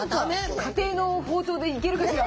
家庭の包丁でいけるかしら？